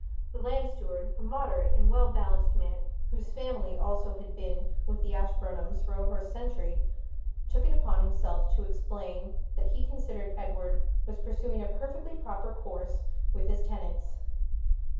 The land steward, a moderate and well balanced man whose family also had been with the Ashburnhams for over a century, took it upon himself to explain that he considered Edward was pursuing a perfectly proper course with his tenants.